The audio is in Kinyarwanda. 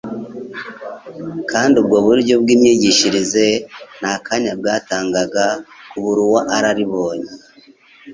kandi ubwo buryo bw'imyigishirize nta kanya bwatangaga ku buruararibonye